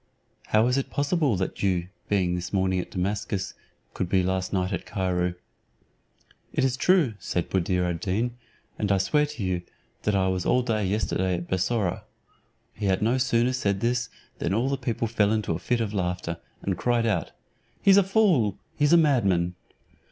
How is it possible that you, being this morning at Damascus, could be last night at Cairo?" "It is true," said Buddir ad Deen, "and I swear to you, that I was all day yesterday at Bussorah." He had no sooner said this than all the people fell into a fit of laughter, and cried out, "He's a fool, he's a madman."